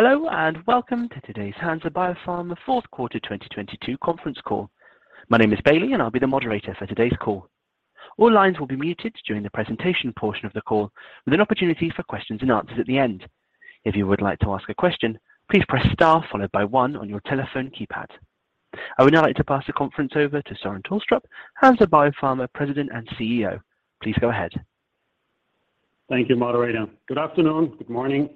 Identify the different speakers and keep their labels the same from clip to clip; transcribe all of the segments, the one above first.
Speaker 1: Hello. Welcome to today's Hansa Biopharma fourth quarter 2022 conference call. My name is Bailey, and I'll be the moderator for today's call. All lines will be muted during the presentation portion of the call, with an opportunity for questions and answers at the end. If you would like to ask a question, please press star followed by one on your telephone keypad. I would now like to pass the conference over to Søren Tulstrup, Hansa Biopharma President and CEO. Please go ahead.
Speaker 2: Thank you, moderator. Good afternoon, good morning.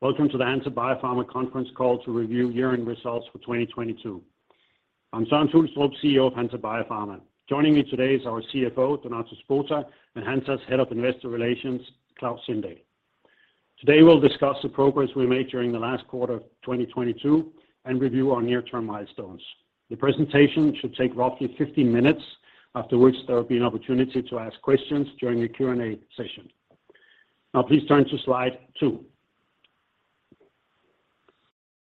Speaker 2: Welcome to the Hansa Biopharma conference call to review year-end results for 2022. I'm Søren Tulstrup, CEO of Hansa Biopharma. Joining me today is our CFO, Donato Spota, and Hansa's Head of Investor Relations, Klaus Sindel. Today we'll discuss the progress we made during the last quarter of 2022 and review our near-term milestones. The presentation should take roughly 50 minutes, after which there will be an opportunity to ask questions during the Q&A session. Now please turn to slide two.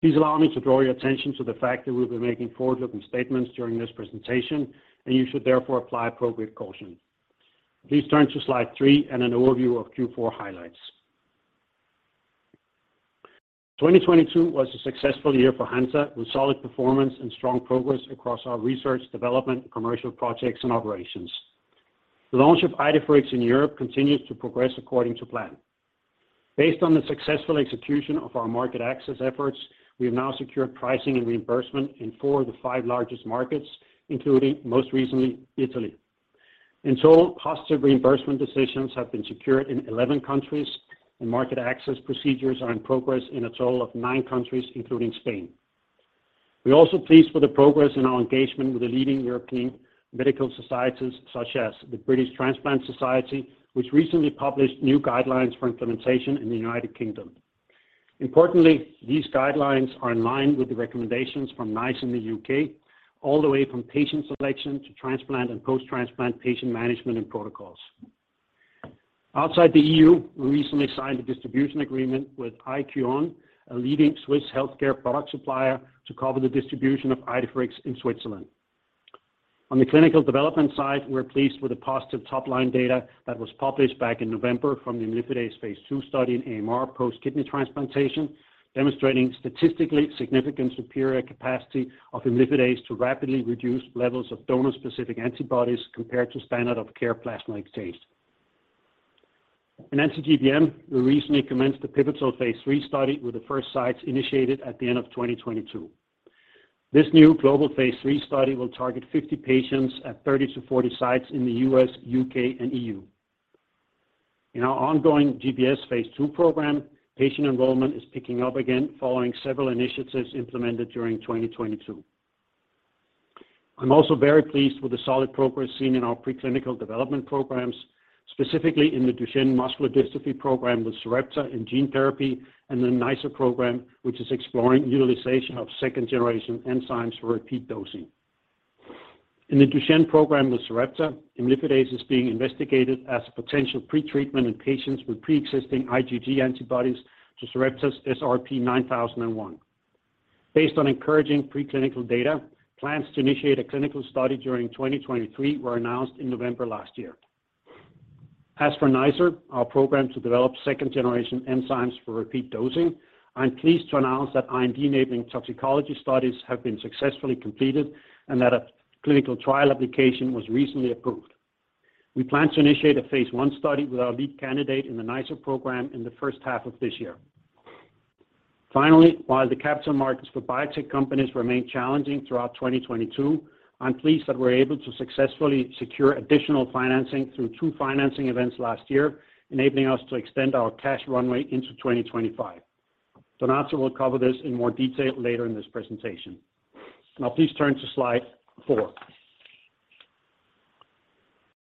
Speaker 2: Please allow me to draw your attention to the fact that we'll be making forward-looking statements during this presentation, and you should therefore apply appropriate caution. Please turn to slide three and an overview of Q4 highlights. 2022 was a successful year for Hansa, with solid performance and strong progress across our research, development, commercial projects, and operations. The launch of Idefirix in Europe continues to progress according to plan. Based on the successful execution of our market access efforts, we have now secured pricing and reimbursement in four of the five largest markets, including most recently Italy. In total, positive reimbursement decisions have been secured in 11 countries. Market access procedures are in progress in a total of nine countries, including Spain. We're also pleased with the progress in our engagement with the leading European medical societies, such as the British Transplantation Society, which recently published new guidelines for implementation in the U.K. Importantly, these guidelines are in line with the recommendations from NICE in the U.K., all the way from patient selection to transplant and post-transplant patient management and protocols. Outside the E.U., we recently signed a distribution agreement with iQone Healthcare, a leading Swiss healthcare product supplier, to cover the distribution of Idefirix in Switzerland. On the clinical development side, we're pleased with the positive top-line data that was published back in November from the Imlifidase phase II study in AMR post-kidney transplantation, demonstrating statistically significant superior capacity of Imlifidase to rapidly reduce levels of donor-specific antibodies compared to standard of care plasma exchange. In anti-GBM, we recently commenced the pivotal phase III study with the first sites initiated at the end of 2022. This new global phase III study will target 50 patients at 30-40 sites in the U.S., U.K., and E.U. In our ongoing GBS phase II program, patient enrollment is picking up again following several initiatives implemented during 2022. I'm also very pleased with the solid progress seen in our preclinical development programs, specifically in the Duchenne muscular dystrophy program with Sarepta in gene therapy and the NiceR program, which is exploring utilization of second-generation enzymes for repeat dosing. In the Duchenne program with Sarepta, Imlifidase is being investigated as a potential pretreatment in patients with preexisting IgG antibodies to Sarepta's SRP-9001. Based on encouraging preclinical data, plans to initiate a clinical study during 2023 were announced in November last year. As for NiceR, our program to develop second-generation enzymes for repeat dosing, I'm pleased to announce that IND-enabling toxicology studies have been successfully completed and that a clinical trial application was recently approved. We plan to initiate a phase I study with our lead candidate in the NiceR program in the first half of this year. While the capital markets for biotech companies remained challenging throughout 2022, I'm pleased that we're able to successfully secure additional financing through two financing events last year, enabling us to extend our cash runway into 2025. Donato will cover this in more detail later in this presentation. Please turn to slide four.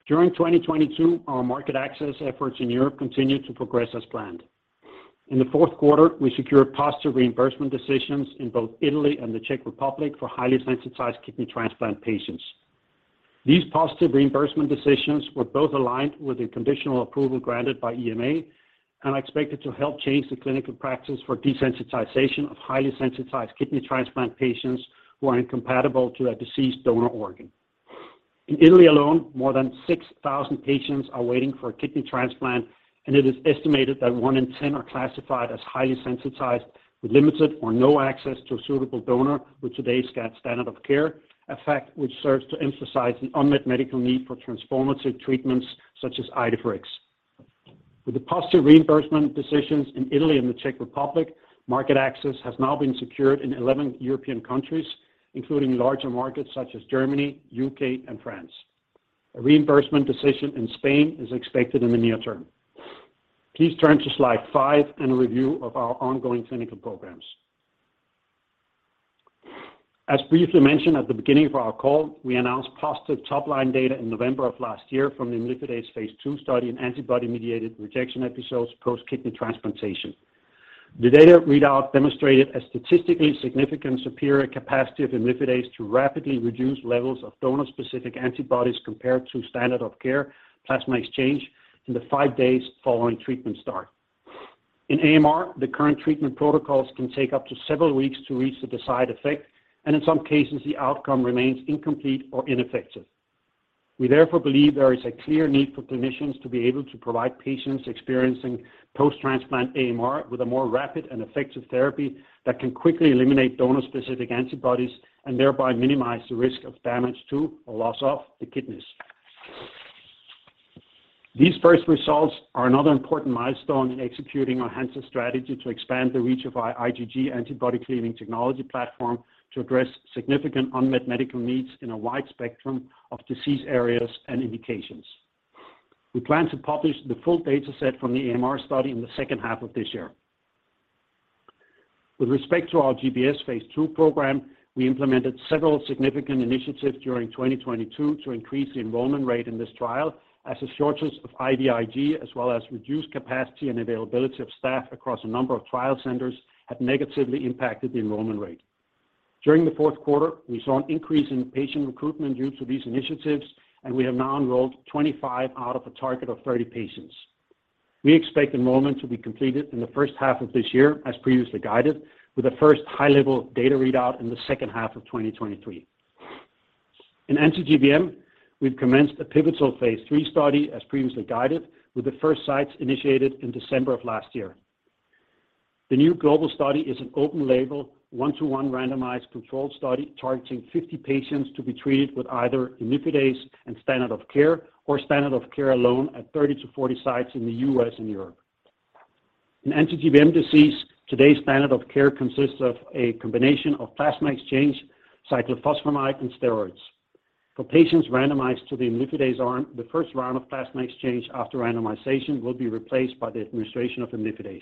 Speaker 2: During 2022, our market access efforts in Europe continued to progress as planned. In the fourth quarter, we secured positive reimbursement decisions in both Italy and the Czech Republic for highly sensitized kidney transplant patients. These positive reimbursement decisions were both aligned with the conditional approval granted by EMA and are expected to help change the clinical practice for desensitization of highly sensitized kidney transplant patients who are incompatible to a deceased donor organ. In Italy alone, more than 6,000 patients are waiting for a kidney transplant. It is estimated that 1 in 10 are classified as highly sensitized with limited or no access to a suitable donor with today's standard of care, a fact which serves to emphasize the unmet medical need for transformative treatments such as Idefirix. With the positive reimbursement decisions in Italy and the Czech Republic, market access has now been secured in 11 European countries, including larger markets such as Germany, U.K., and France. A reimbursement decision in Spain is expected in the near term. Please turn to slide five and a review of our ongoing clinical programs. As briefly mentioned at the beginning of our call, we announced positive top-line data in November of last year from the Imlifidase phase II study in antibody-mediated rejection episodes post-kidney transplantation. The data readout demonstrated a statistically significant superior capacity of Imlifidase to rapidly reduce levels of donor-specific antibodies compared to standard of care plasma exchange in the five days following treatment start. In AMR, the current treatment protocols can take up to several weeks to reach the desired effect, and in some cases, the outcome remains incomplete or ineffective. We therefore believe there is a clear need for clinicians to be able to provide patients experiencing post-transplant AMR with a more rapid and effective therapy that can quickly eliminate donor-specific antibodies and thereby minimize the risk of damage to or loss of the kidneys. These first results are another important milestone in executing our Hansa strategy to expand the reach of our IgG antibody-cleaving technology platform to address significant unmet medical needs in a wide spectrum of disease areas and indications. We plan to publish the full data set from the AMR study in the second half of this year. With respect to our GBS phase II program, we implemented several significant initiatives during 2022 to increase the enrollment rate in this trial as a shortage of IVIG, as well as reduced capacity and availability of staff across a number of trial centers had negatively impacted the enrollment rate. During the fourth quarter, we saw an increase in patient recruitment due to these initiatives, and we have now enrolled 25 out of a target of 30 patients. We expect enrollment to be completed in the first half of this year, as previously guided, with the first high-level data readout in the second half of 2023. In anti-GBM, we've commenced a pivotal phase III study as previously guided with the first sites initiated in December of last year. The new global study is an open label, one-to-one randomized control study targeting 50 patients to be treated with either Imlifidase and standard of care or standard of care alone at 30 to 40 sites in the U.S. and Europe. In anti-GBM disease, today's standard of care consists of a combination of plasma exchange, cyclophosphamide, and steroids. For patients randomized to the Imlifidase arm, the first round of plasma exchange after randomization will be replaced by the administration of Imlifidase.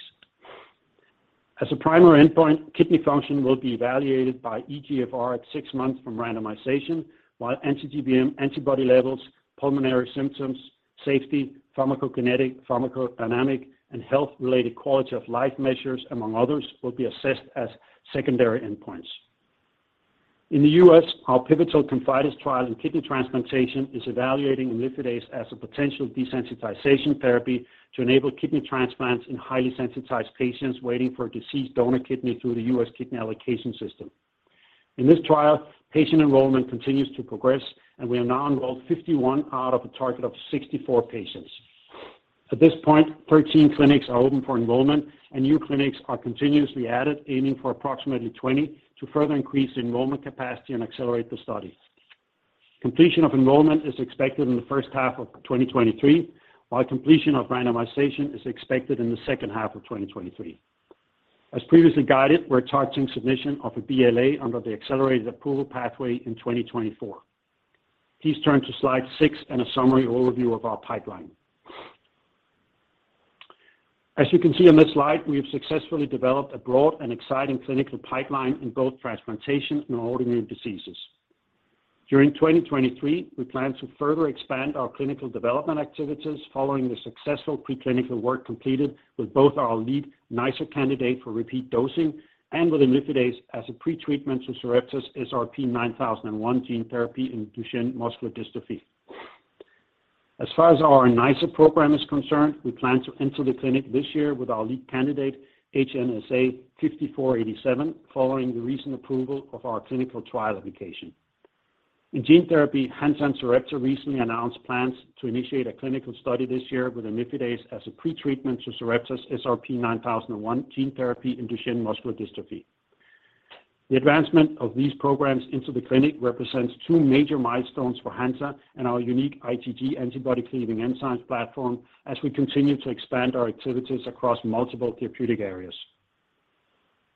Speaker 2: As a primary endpoint, kidney function will be evaluated by eGFR at six months from randomization, while anti-GBM antibody levels, pulmonary symptoms, safety, pharmacokinetic, pharmacodynamic, and health-related quality of life measures, among others, will be assessed as secondary endpoints. In the U.S., our pivotal ConfIdeS trial in kidney transplantation is evaluating Imlifidase as a potential desensitization therapy to enable kidney transplants in highly sensitized patients waiting for a deceased donor kidney through the U.S. Kidney Allocation System. In this trial, patient enrollment continues to progress, and we have now enrolled 51 out of a target of 64 patients. At this point, 13 clinics are open for enrollment, and new clinics are continuously added, aiming for approximately 20 to further increase enrollment capacity and accelerate the study. Completion of enrollment is expected in the first half of 2023, while completion of randomization is expected in the second half of 2023. As previously guided, we're targeting submission of a BLA under the Accelerated Approval pathway in 2024. Please turn to slide 6 and a summary overview of our pipeline. As you can see on this slide, we have successfully developed a broad and exciting clinical pipeline in both transplantation and autoimmune diseases. During 2023, we plan to further expand our clinical development activities following the successful preclinical work completed with both our lead NiceR candidate for repeat dosing and with Imlifidase as a pretreatment to Sarepta's SRP-9001 gene therapy in Duchenne muscular dystrophy. As far as our NiceR program is concerned, we plan to enter the clinic this year with our lead candidate, HNSA-5487, following the recent approval of our clinical trial application. In gene therapy, Hansa and Sarepta recently announced plans to initiate a clinical study this year with Imlifidase as a pretreatment to Sarepta's SRP-9001 gene therapy in Duchenne muscular dystrophy. The advancement of these programs into the clinic represents two major milestones for Hansa and our unique IgG antibody-cleaving enzymes platform as we continue to expand our activities across multiple therapeutic areas.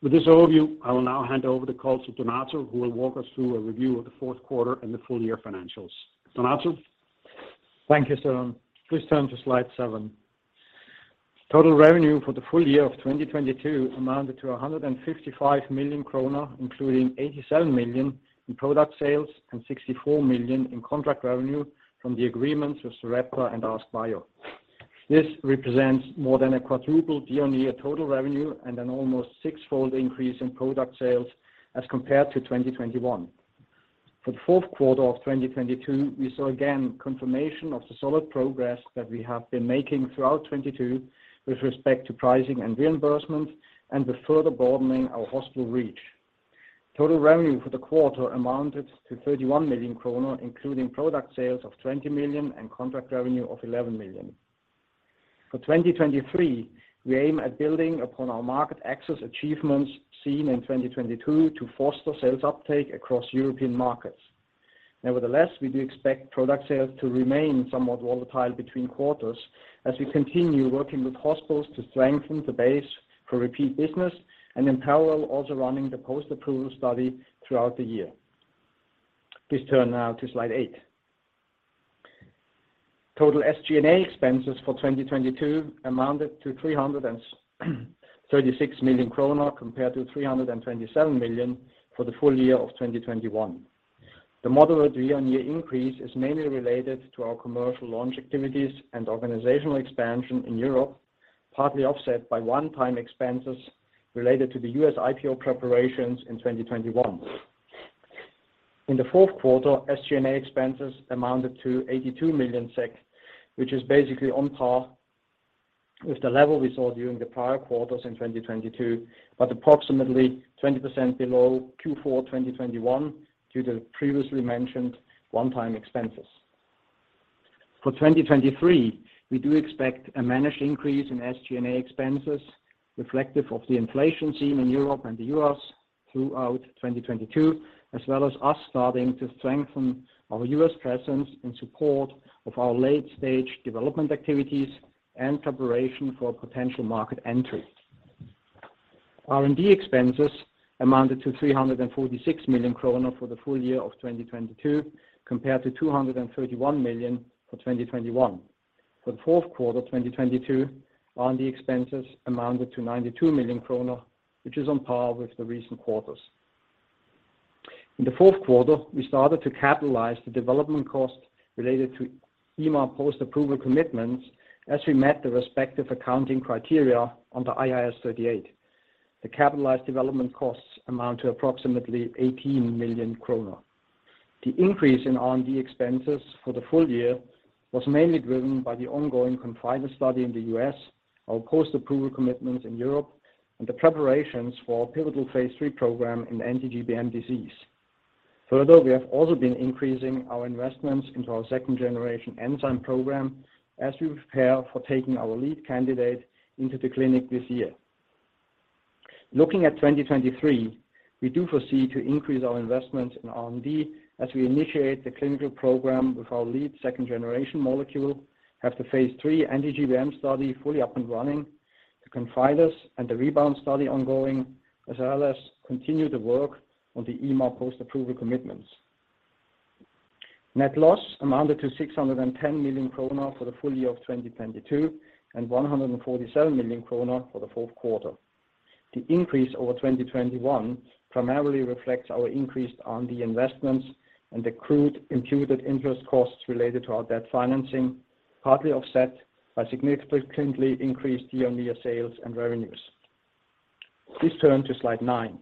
Speaker 2: With this overview, I will now hand over the call to Donato, who will walk us through a review of the fourth quarter and the full-year financials. Donato?
Speaker 3: Thank you, Søren. Please turn to slide seven. Total revenue for the full year of 2022 amounted to 155 million kronor, including 87 million in product sales and 64 million in contract revenue from the agreements with Sarepta and AskBio. This represents more than a quadruple year-on-year total revenue and an almost six-fold increase in product sales as compared to 2021. For fourth quarter 2022, we saw again confirmation of the solid progress that we have been making throughout 2022 with respect to pricing and reimbursement and the further broadening our hospital reach. Total revenue for the quarter amounted to 31 million kronor, including product sales of 20 million and contract revenue of 11 million. For 2023, we aim at building upon our market access achievements seen in 2022 to foster sales uptake across European markets. Nevertheless, we do expect product sales to remain somewhat volatile between quarters as we continue working with hospitals to strengthen the base for repeat business and in parallel also running the post-approval study throughout the year. Please turn now to slide eight. Total SG&A expenses for 2022 amounted to 336 million kronor compared to 327 million for the full year of 2021. The moderate year-on-year increase is mainly related to our commercial launch activities and organizational expansion in Europe, partly offset by one-time expenses related to the US IPO preparations in 2021. In the fourth quarter, SG&A expenses amounted to 82 million SEK, which is basically on par with the level we saw during the prior quarters in 2022, but approximately 20% below Q4 2021 due to previously mentioned one-time expenses. For 2023, we do expect a managed increase in SG&A expenses reflective of the inflation seen in Europe and the US throughout 2022, as well as us starting to strengthen our US presence in support of our late-stage development activities and preparation for potential market entry. R&D expenses amounted to 346 million kronor for the full year of 2022, compared to 231 million for 2021. For the fourth quarter 2022, R&D expenses amounted to 92 million kronor, which is on par with the recent quarters. In the fourth quarter, we started to capitalize the development costs related to EMA post-approval commitments as we met the respective accounting criteria under IAS 38. The capitalized development costs amount to approximately 18 million kronor. The increase in R&D expenses for the full year was mainly driven by the ongoing ConfIdeS study in the U.S., our post-approval commitments in Europe, and the preparations for our pivotal phase III program in anti-GBM disease. We have also been increasing our investments into our second-generation enzyme program as we prepare for taking our lead candidate into the clinic this year. Looking at 2023, we do foresee to increase our investment in R&D as we initiate the clinical program with our lead second-generation molecule, have the phase III anti-GBM study fully up and running, the ConfIdeS and the REBOUND study ongoing, as well as continue the work on the EMA post-approval commitments. Net loss amounted to 610 million kronor for the full year of 2022 and 147 million kronor for the Q4. The increase over 2021 primarily reflects our increase on the investments and the crude imputed interest costs related to our debt financing, partly offset by significantly increased year-on-year sales and revenues. Please turn to slide nine.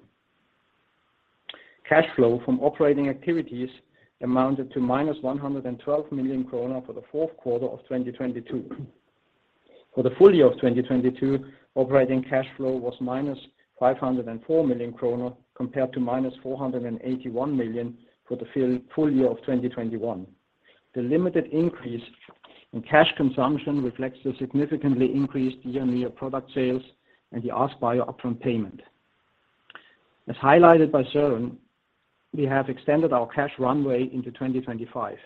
Speaker 3: Cash flow from operating activities amounted to minus 112 million kronor for the fourth quarter of 2022. For the full year of 2022, operating cash flow was minus 504 million kronor compared to minus 481 million for the full year of 2021. The limited increase in cash consumption reflects the significantly increased year-on-year product sales and the AskBio upfront payment. As highlighted by Søren, we have extended our cash runway into 2025.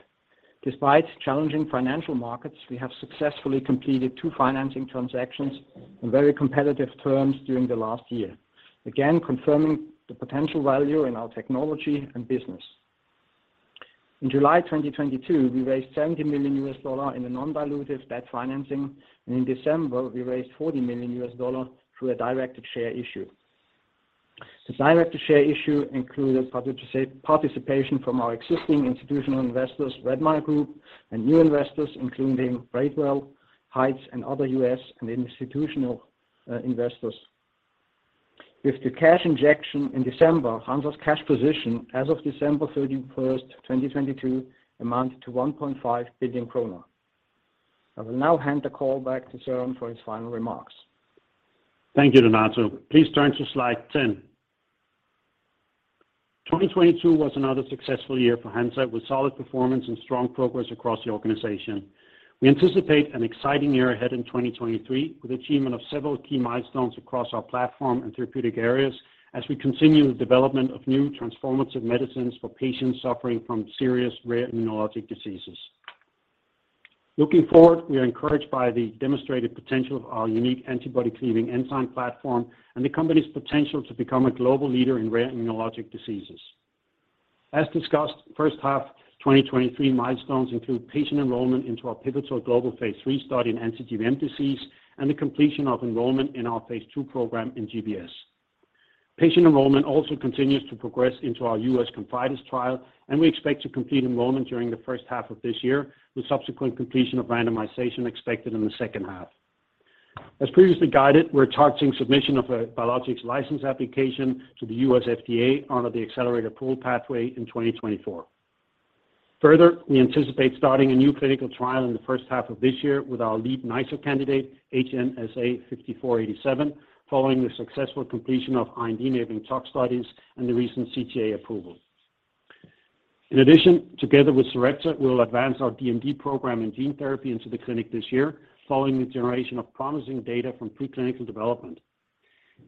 Speaker 3: Despite challenging financial markets, we have successfully completed 2 financing transactions on very competitive terms during the last year. Again, confirming the potential value in our technology and business. In July 2022, we raised $70 million in a non-dilutive debt financing. In December, we raised $40 million through a directed share issue. This directed share issue included participation from our existing institutional investors, Redmile Group, and new investors, including Braidwell, Heights, and other U.S. and institutional investors. With the cash injection in December, Hansa's cash position as of December 31st, 2022, amounted to 1.5 billion kronor. I will now hand the call back to Søren for his final remarks.
Speaker 2: Thank you, Donato. Please turn to slide 10. 2022 was another successful year for Hansa with solid performance and strong progress across the organization. We anticipate an exciting year ahead in 2023, with achievement of several key milestones across our platform and therapeutic areas as we continue the development of new transformative medicines for patients suffering from serious rare immunologic diseases. Looking forward, we are encouraged by the demonstrated potential of our unique antibody-cleaving enzyme platform and the company's potential to become a global leader in rare immunologic diseases. As discussed, first half 2023 milestones include patient enrollment into our pivotal global phase III study in anti-GBM disease and the completion of enrollment in our phase II program in GBS. Patient enrollment also continues to progress into our U.S. ConfIdeS trial, and we expect to complete enrollment during the first half of this year, with subsequent completion of randomization expected in the second half. As previously guided, we're targeting submission of a Biologics License Application to the U.S. FDA under the Accelerated Approval Pathway in 2024. We anticipate starting a new clinical trial in the first half of this year with our lead NiceR candidate, HNSA-5487, following the successful completion of IND-enabling tox studies and the recent CTA approval. Together with Sarepta, we will advance our DMD program in gene therapy into the clinic this year, following the generation of promising data from preclinical development.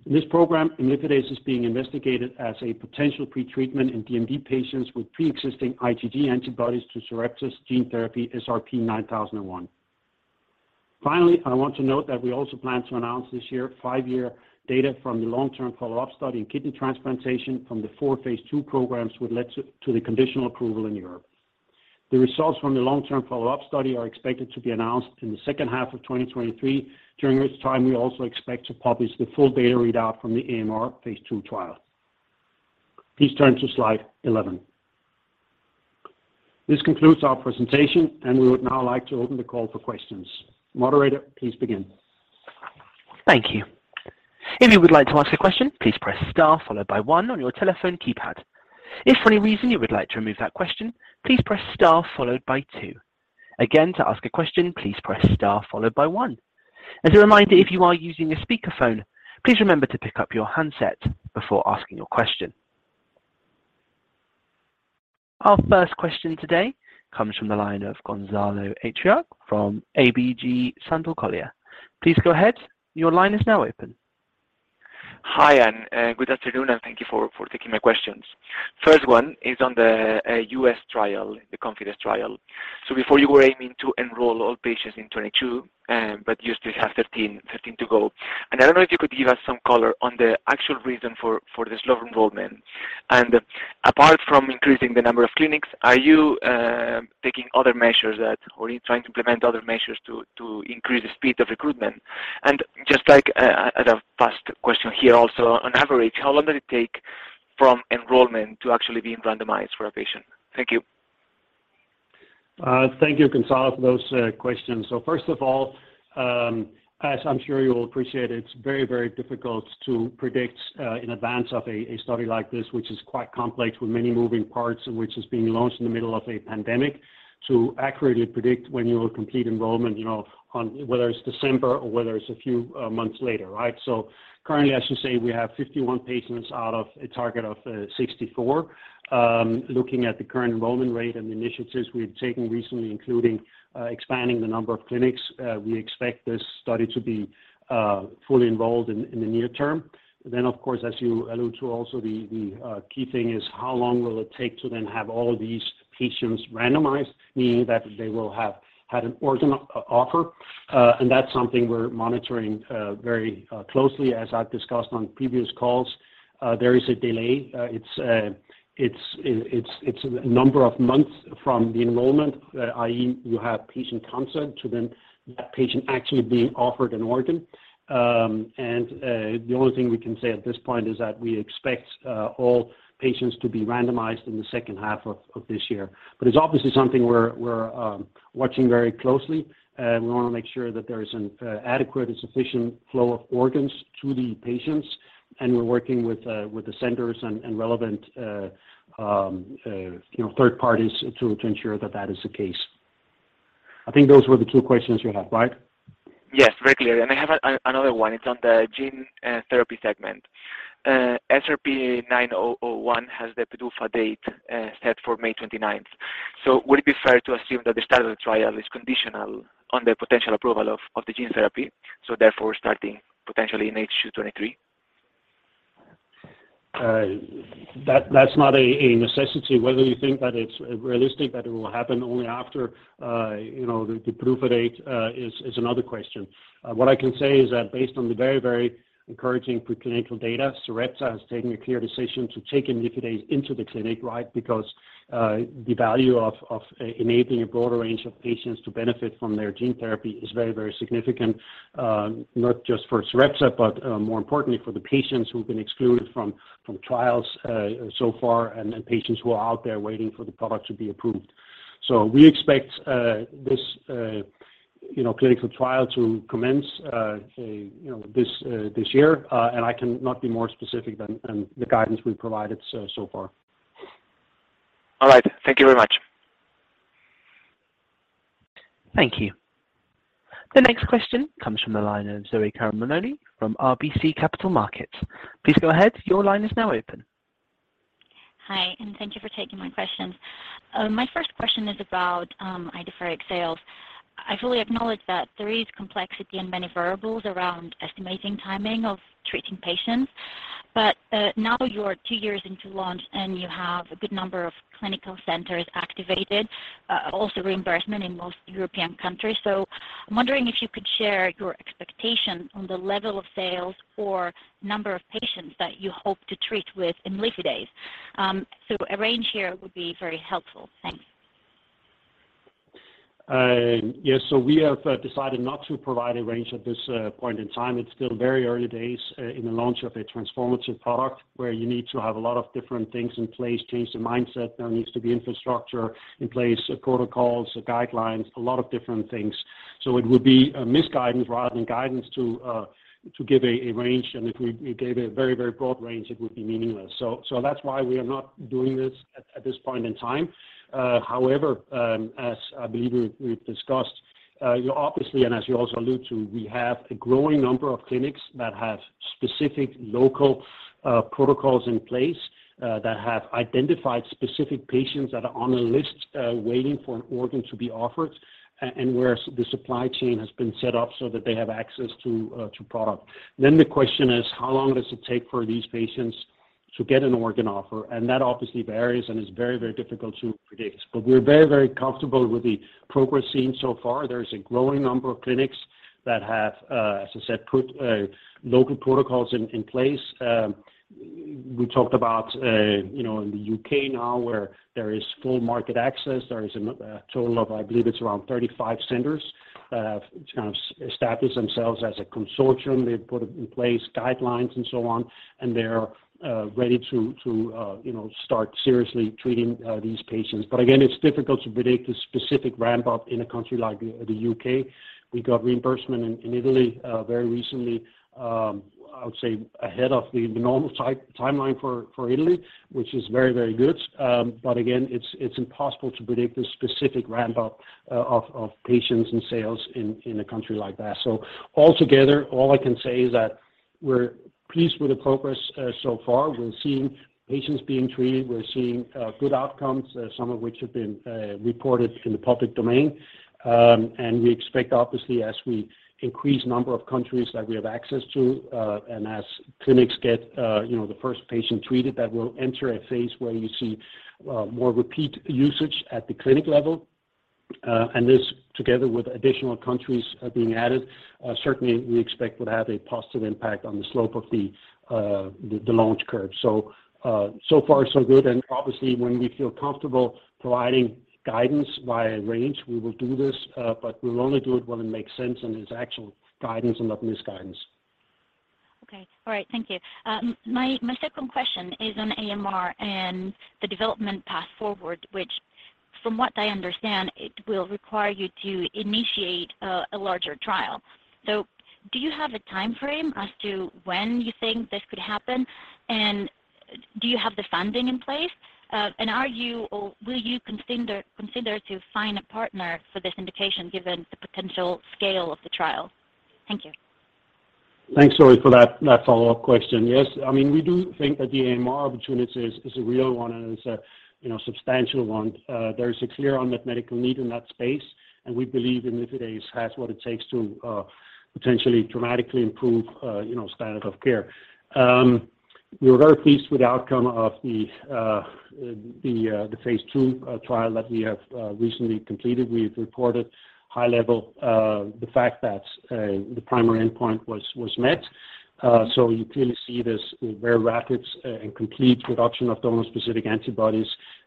Speaker 2: In this program, imlifidase is being investigated as a potential pretreatment in DMD patients with preexisting IgG antibodies to Sarepta's gene therapy SRP-9001. I want to note that we also plan to announce this year five-year data from the long-term follow-up study in kidney transplantation from the four phase II programs which led to the conditional approval in Europe. The results from the long-term follow-up study are expected to be announced in the second half of 2023. During this time, we also expect to publish the full data readout from the AMR phase II trial. Please turn to slide 11. This concludes our presentation. We would now like to open the call for questions. Moderator, please begin.
Speaker 1: Thank you. If you would like to ask a question, please press star followed by one on your telephone keypad. If for any reason you would like to remove that question, please press star followed by two. Again, to ask a question, please press star followed by one. As a reminder, if you are using a speakerphone, please remember to pick up your handset before asking your question. Our first question today comes from the line of Gonzalo Garmendia from ABG Sundal Collier. Please go ahead. Your line is now open.
Speaker 4: Hi, and good afternoon, and thank you for taking my questions. First one is on the U.S. trial, the ConfIdeS trial. Before you were aiming to enroll all patients in 2022, but you still have 13, 15 to go. I don't know if you could give us some color on the actual reason for the slow enrollment. Apart from increasing the number of clinics, are you taking other measures or are you trying to implement other measures to increase the speed of recruitment? Just like, as a past question here also, on average, how long did it take from enrollment to actually being randomized for a patient? Thank you.
Speaker 2: Thank you, Gonzalo, for those questions. First of all, as I'm sure you will appreciate, it's very, very difficult to predict in advance of a study like this, which is quite complex with many moving parts, and which is being launched in the middle of a pandemic to accurately predict when you will complete enrollment, you know, on whether it's December or whether it's a few months later, right? Currently, as you say, we have 51 patients out of a target of 64. Looking at the current enrollment rate and the initiatives we've taken recently, including expanding the number of clinics, we expect this study to be fully enrolled in the near term. Then of course, as you allude to also, the key thing is how long will it take to then have all of these patients randomized, meaning that they will have had an organ offer. That's something we're monitoring very closely. As I've discussed on previous calls, there is a delay. It's a number of months from the enrollment, i.e. you have patient consent to then that patient actually being offered an organ. The only thing we can say at this point is that we expect all patients to be randomized in the second half of this year. It's obviously something we're watching very closely, and we want to make sure that there is an adequate and sufficient flow of organs to the patients, and we're working with the centers and relevant, you know, third parties to ensure that that is the case. I think those were the two questions you had, right?
Speaker 4: Yes, very clear. I have another one. It's on the gene therapy segment. SRP-9001 has the PDUFA date set for May 29th. Would it be fair to assume that the start of the trial is conditional on the potential approval of the gene therapy, therefore starting potentially in H-23?
Speaker 2: That's not a necessity. Whether you think that it's realistic that it will happen only after, you know, the PDUFA date is another question. What I can say is that based on the very, very encouraging preclinical data, Sarepta has taken a clear decision to take Imlifidase into the clinic, right? The value of enabling a broader range of patients to benefit from their gene therapy is very, very significant, not just for Sarepta, but more importantly for the patients who've been excluded from trials so far and patients who are out there waiting for the product to be approved. We expect this, you know, clinical trial to commence, you know, this year, and I cannot be more specific than the guidance we've provided so far.
Speaker 4: All right. Thank you very much.
Speaker 1: Thank you. The next question comes from the line of Tazeen Ahmad from RBC Capital Markets. Please go ahead. Your line is now open.
Speaker 5: Hi, and thank you for taking my questions. My first question is about Idefirix sales. I fully acknowledge that there is complexity and many variables around estimating timing of treating patients. Now you're two years into launch, and you have a good number of clinical centers activated, also reimbursement in most European countries. I'm wondering if you could share your expectation on the level of sales or number of patients that you hope to treat with imlifidase. A range here would be very helpful. Thanks.
Speaker 2: Yes. We have decided not to provide a range at this point in time. It's still very early days in the launch of a transformative product where you need to have a lot of different things in place, change the mindset. There needs to be infrastructure in place, protocols, guidelines, a lot of different things. It would be a misguidance rather than guidance to give a range. If we gave a very broad range, it would be meaningless. That's why we are not doing this at this point in time. However, as I believe we've discussed, you obviously and as you also allude to, we have a growing number of clinics that have specific local protocols in place, that have identified specific patients that are on a list, waiting for an organ to be offered and where the supply chain has been set up so that they have access to product. The question is how long does it take for these patients to get an organ offer? That obviously varies and is very, very difficult to predict. We're very, very comfortable with the progress seen so far. There's a growing number of clinics that have, as I said, put local protocols in place. We talked about, you know, in the UK now where there is full market access, there is a total of, I believe it's around 35 centers. They've kind of established themselves as a consortium. They've put in place guidelines and so on, and they're ready to, you know, start seriously treating these patients. Again, it's difficult to predict a specific ramp up in a country like the UK. We got reimbursement in Italy very recently, I would say ahead of the normal timeline for Italy, which is very, very good. Again, it's impossible to predict the specific ramp up of patients and sales in a country like that. Altogether, all I can say is that we're pleased with the progress so far. We're seeing patients being treated, we're seeing good outcomes, some of which have been reported in the public domain. We expect obviously as we increase number of countries that we have access to, and as clinics get, you know, the first patient treated, that we'll enter a phase where you see more repeat usage at the clinic level. This together with additional countries, being added, certainly we expect would have a positive impact on the slope of the launch curve. So far so good. Obviously when we feel comfortable providing guidance via range, we will do this, but we'll only do it when it makes sense and is actual guidance and not misguidance.
Speaker 5: Okay. All right. Thank you. My second question is on AMR and the development path forward, which from what I understand, it will require you to initiate a larger trial. Do you have a timeframe as to when you think this could happen? Do you have the funding in place? Are you or will you consider to find a partner for this indication given the potential scale of the trial? Thank you.
Speaker 2: Thanks, Zoe, for that follow-up question. Yes. I mean, we do think that the AMR opportunity is a real one, and it's a, you know, substantial one. There's a clear unmet medical need in that space, and we believe Imlifidase has what it takes to potentially dramatically improve, you know, standard of care. We were very pleased with the outcome of the phase II trial that we have recently completed. We've reported high level the fact that the primary endpoint was met. You clearly see this, a very rapid and complete reduction of donor-specific antibodies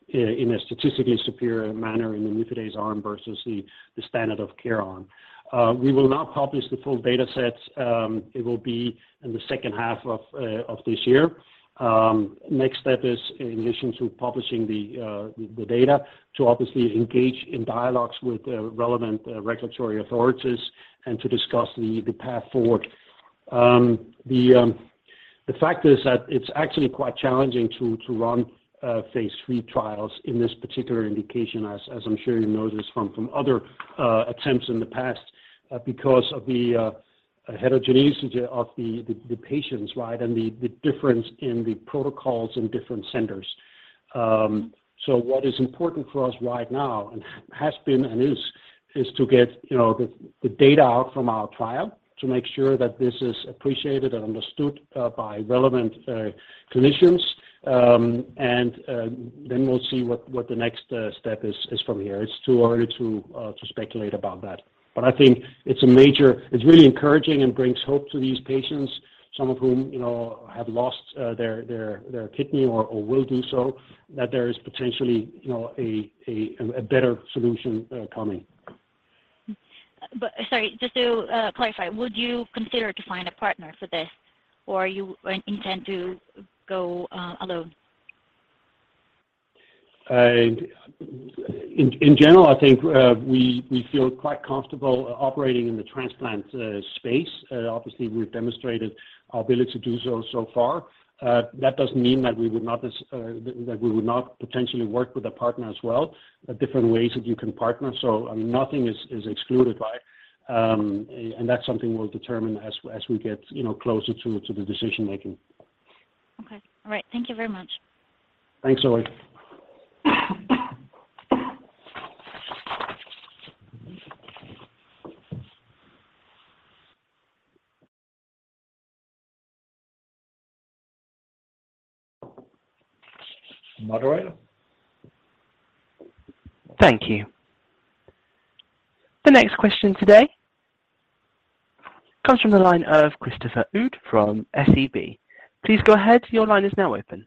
Speaker 2: in a statistically superior manner in the Imlifidase arm versus the standard of care arm. We will now publish the full data sets. It will be in the second half of this year. Next step is in addition to publishing the data to obviously engage in dialogues with relevant regulatory authorities and to discuss the path forward. The fact is that it's actually quite challenging to run phase III trials in this particular indication as I'm sure you notice from other attempts in the past because of the heterogeneity of the patients, right? The difference in the protocols in different centers. What is important for us right now and has been and is to get, you know, the data out from our trial to make sure that this is appreciated and understood by relevant clinicians. Then we'll see what the next step is from here. It's too early to speculate about that. It's really encouraging and brings hope to these patients, some of whom, you know, have lost their kidney or will do so, that there is potentially, you know, a better solution coming.
Speaker 5: Sorry, just to clarify, would you consider to find a partner for this or you intend to go alone?
Speaker 2: In general, I think, we feel quite comfortable operating in the transplant space. Obviously we've demonstrated our ability to do so far. That doesn't mean that we would not potentially work with a partner as well, different ways that you can partner. I mean, nothing is excluded, right? And that's something we'll determine as we get, you know, closer to the decision making.
Speaker 5: Okay. All right. Thank you very much.
Speaker 2: Thanks, Zoe. Moderator.
Speaker 1: Thank you. The next question today comes from the line of Christopher Uhde from SEB. Please go ahead. Your line is now open.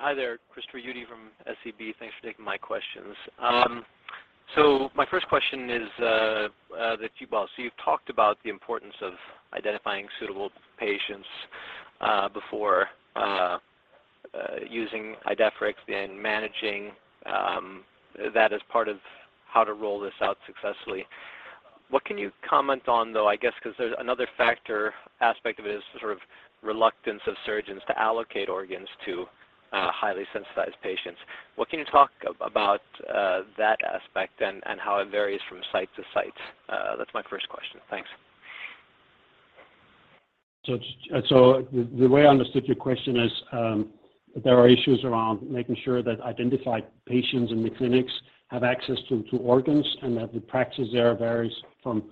Speaker 6: Hi there, Christopher Uhde from SEB. Thanks for taking my questions. My first question is, you've talked about the importance of identifying suitable patients before using Idefirix and managing that as part of how to roll this out successfully. What can you comment on though, I guess, because there's another factor aspect of it is sort of reluctance of surgeons to allocate organs to highly sensitized patients. What can you talk about that aspect and how it varies from site to site? That's my first question. Thanks.
Speaker 2: The way I understood your question is, there are issues around making sure that identified patients in the clinics have access to organs and that the practice there varies from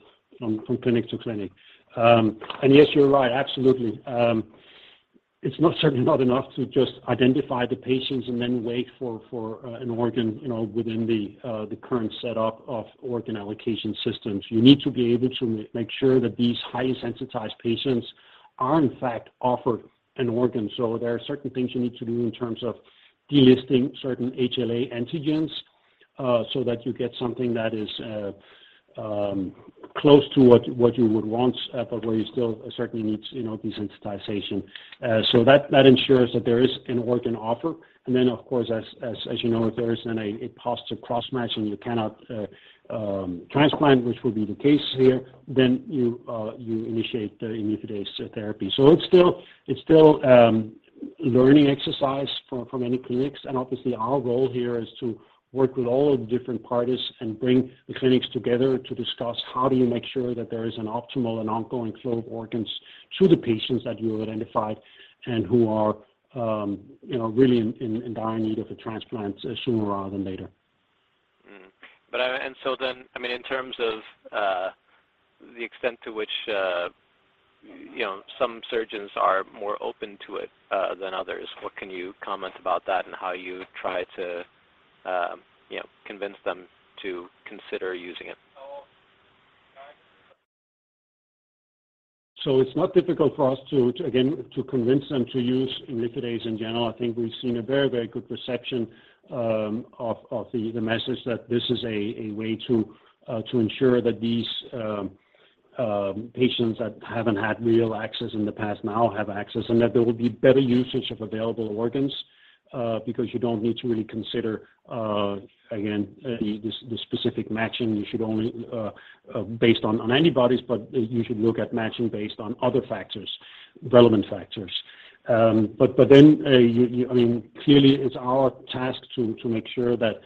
Speaker 2: clinic to clinic. Yes, you're right, absolutely. It's not certainly not enough to just identify the patients and then wait for an organ, you know, within the current setup of organ allocation systems. You need to be able to make sure that these highly sensitized patients are in fact offered an organ. There are certain things you need to do in terms of delisting certain HLA antigens, so that you get something that is close to what you would want, but where you still certainly need, you know, desensitization. That ensures that there is an organ offer. Of course, as you know, if there isn't a positive cross-match and you cannot transplant, which will be the case here, then you initiate the imlifidase therapy. It's still a learning exercise for many clinics. Obviously our role here is to work with all of the different parties and bring the clinics together to discuss how do you make sure that there is an optimal and ongoing flow of organs to the patients that you identified and who are, you know, really in dire need of a transplant sooner rather than later.
Speaker 6: I mean, in terms of, the extent to which, you know, some surgeons are more open to it, than others, what can you comment about that and how you try to, you know, convince them to consider using it?
Speaker 2: It's not difficult for us to, again, to convince them to use Imlifidase in general. I think we've seen a very good perception of the message that this is a way to ensure that these patients that haven't had real access in the past now have access, and that there will be better usage of available organs because you don't need to really consider again, the specific matching. You should only based on antibodies, but you should look at matching based on other factors, relevant factors. But then, you I mean, clearly it's our task to make sure that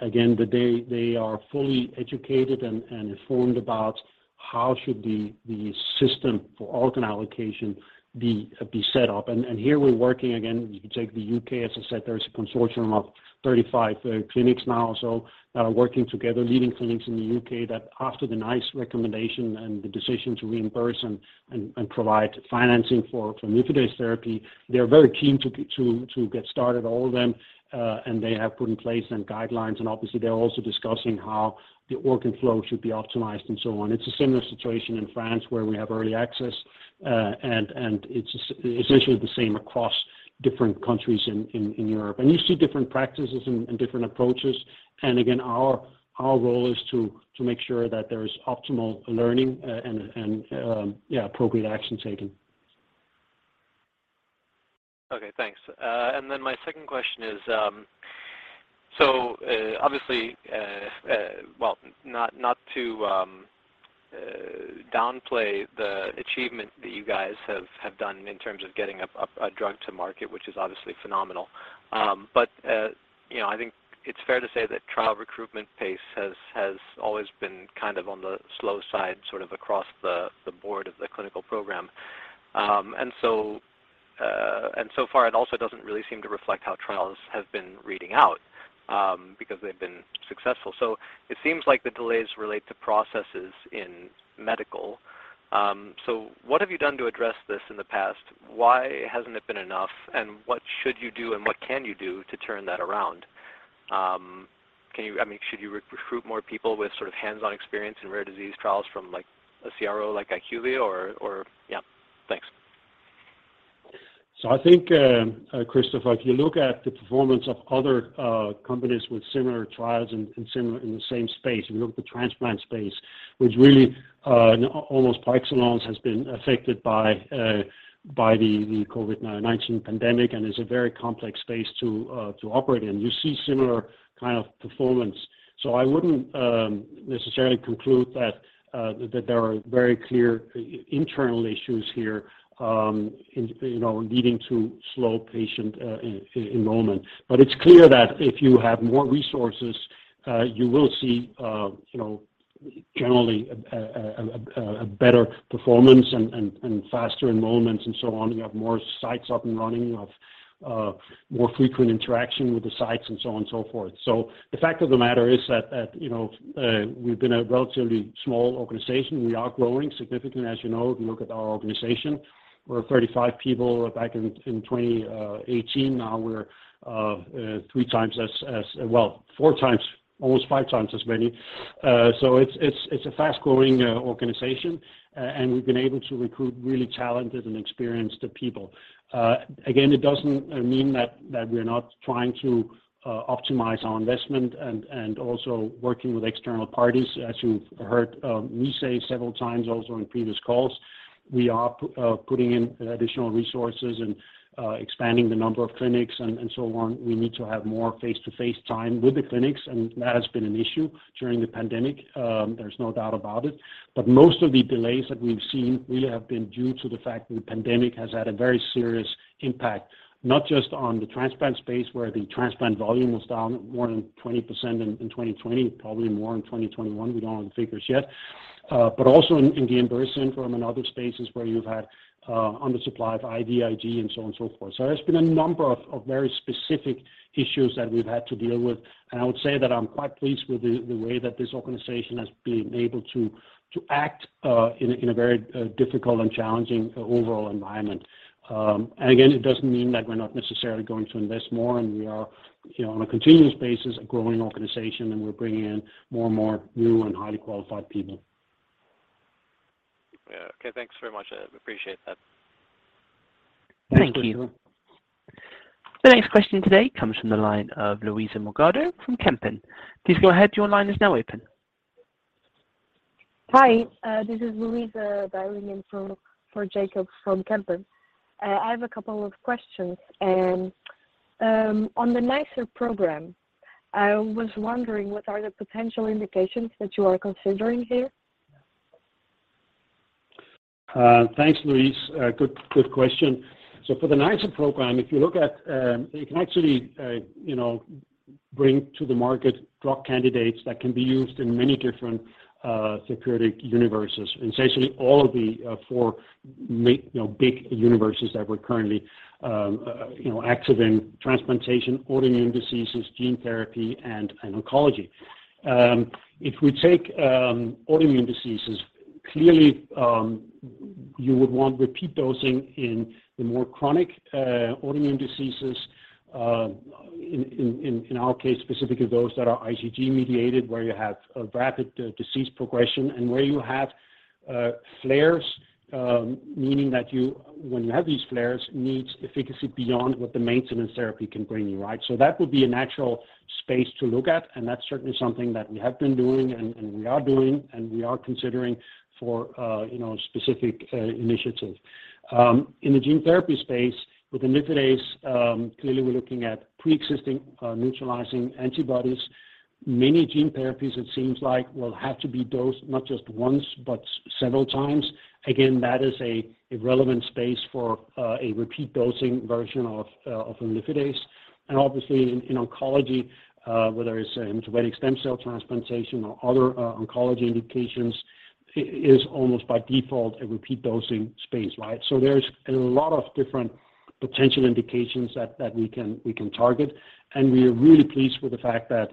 Speaker 2: again, that they are fully educated and informed about how should the system for organ allocation be set up. Here we're working again, you can take the U.K. as a sector, it's a consortium of 35 clinics now. Working together, leading clinics in the U.K. that after the NICE recommendation and the decision to reimburse and provide financing for imlifidase therapy, they're very keen to get started, all of them. They have put in place then guidelines, and obviously they're also discussing how the organ flow should be optimized and so on. It's a similar situation in France, where we have early access, and it's essentially the same across different countries in Europe. You see different practices and different approaches. Again, our role is to make sure that there's optimal learning and appropriate action taken.
Speaker 6: Okay, thanks. My second question is, obviously, well, not to downplay the achievement that you guys have done in terms of getting a drug to market, which is obviously phenomenal. But, you know, I think it's fair to say that trial recruitment pace has always been kind of on the slow side, sort of across the board of the clinical program. So far it also doesn't really seem to reflect how trials have been reading out, because they've been successful. It seems like the delays relate to processes in medical. What have you done to address this in the past? Why hasn't it been enough? What should you do and what can you do to turn that around? I mean, should you re-recruit more people with sort of hands-on experience in rare disease trials from like a CRO like IQVIA or...? Yeah. Thanks.
Speaker 2: I think, Christopher, if you look at the performance of other companies with similar trials and similar in the same space, if you look at the transplant space, which really almost parks along, has been affected by the COVID-19 pandemic and is a very complex space to operate in. You see similar kind of performance. I wouldn't necessarily conclude that there are very clear internal issues here, in, you know, leading to slow patient enrolment. It's clear that if you have more resources, you will see, you know, generally a better performance and faster enrollments and so on. You have more sites up and running, you have more frequent interaction with the sites and so on and so forth. The fact of the matter is that, you know, we've been a relatively small organization. We are growing significantly, as you know, if you look at our organization. We were 35 people back in 2018. Now we're three times... Well, four times, almost five times as many. It's a fast-growing organization. We've been able to recruit really talented and experienced people. Again, it doesn't mean that we're not trying to optimize our investment and also working with external parties. As you've heard me say several times also on previous calls, we are putting in additional resources and expanding the number of clinics and so on. We need to have more face-to-face time with the clinics, that has been an issue during the pandemic. There's no doubt about it. Most of the delays that we've seen really have been due to the fact that the pandemic has had a very serious impact, not just on the transplant space, where the transplant volume was down more than 20% in 2020, probably more in 2021, we don't have the figures yet, but also in the reimbursement from another spaces where you've had under supply of IVIG and so on and so forth. There's been a number of very specific issues that we've had to deal with. I would say that I'm quite pleased with the way that this organization has been able to act in a very difficult and challenging overall environment. Again, it doesn't mean that we're not necessarily going to invest more, and we are, you know, on a continuous basis, a growing organization, and we're bringing in more and more new and highly qualified people.
Speaker 6: Okay, thanks very much. I appreciate that.
Speaker 2: Thank you.
Speaker 1: The next question today comes from the line of Louise van der Wilden from Kempen. Please go ahead. Your line is now open.
Speaker 7: Hi, this is Louise, dialing in for Jacobs from Kempen. I have a couple of questions. On the NiceR program, I was wondering what are the potential indications that you are considering here?
Speaker 2: Thanks, Louise. Good, good question. For the NiceR program, if you look at... You can actually, you know, bring to the market drug candidates that can be used in many different therapeutic universes. Essentially all of the four, you know, big universes that we're currently, you know, active in transplantation, autoimmune diseases, gene therapy, and oncology. If we take autoimmune diseases, clearly, you would want repeat dosing in the more chronic autoimmune diseases. In our case, specifically those that are IgG mediated, where you have a rapid disease progression and where you have flares, meaning that you... When you have these flares needs efficacy beyond what the maintenance therapy can bring you, right? That would be a natural space to look at, and that's certainly something that we have been doing and we are doing, and we are considering for, you know, specific initiatives. In the gene therapy space with the nifurtimox, clearly we're looking at preexisting neutralizing antibodies. Many gene therapies, it seems like, will have to be dosed not just once, but several times. Again, that is a relevant space for a repeat dosing version of the nifurtimox. Obviously in oncology, whether it's genetic stem cell transplantation or other oncology indications, is almost by default a repeat dosing space, right? There's a lot of different potential indications that we can target, and we are really pleased with the fact that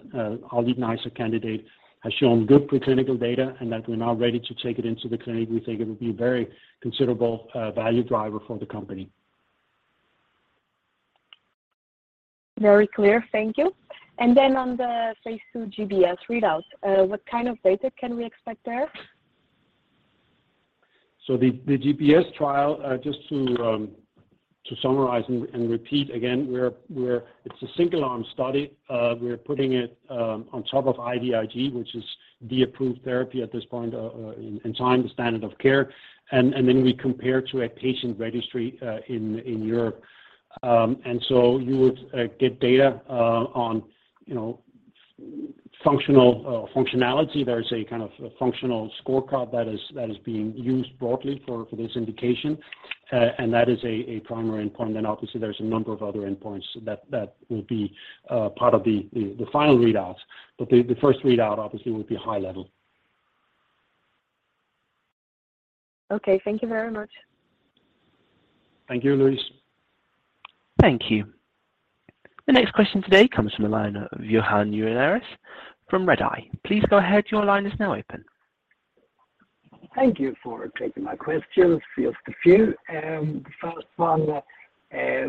Speaker 2: our lead NiceR candidate has shown good preclinical data and that we're now ready to take it into the clinic. We think it would be a very considerable value driver for the company.
Speaker 7: Very clear. Thank you. Then on the phase II GBS readouts, what kind of data can we expect there?
Speaker 2: The GBS trial, just to summarize and repeat again. It's a single arm study. We are putting it on top of IVIG, which is the approved therapy at this point in time, the standard of care. We compare to a patient registry in Europe. You would get data on, you know, functional functionality. There is a kind of a functional scorecard that is being used broadly for this indication. That is a primary endpoint. Obviously there's a number of other endpoints that will be part of the final readouts. The first readout obviously will be high level.
Speaker 7: Okay. Thank you very much.
Speaker 2: Thank you, Louise.
Speaker 1: Thank you. The next question today comes from the line of Johan Unnerus from Redeye. Please go ahead. Your line is now open.
Speaker 8: Thank you for taking my questions. Just a few. The first one,